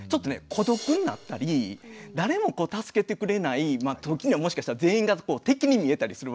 孤独になったり誰も助けてくれない時にはもしかしたら全員が敵に見えたりするわけですよね。